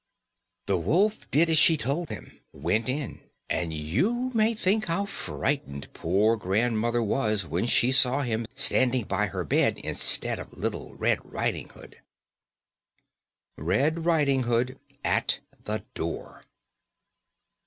The wolf did as she told him, went in, and you may think how frightened poor grandmother was when she saw him standing by her bed instead of Little Red Riding Hood. _RED RIDING HOOD AT THE DOOR.